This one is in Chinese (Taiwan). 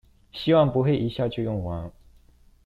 希望不會一下就用完